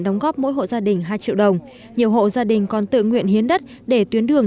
đóng góp mỗi hộ gia đình hai triệu đồng nhiều hộ gia đình còn tự nguyện hiến đất để tuyến đường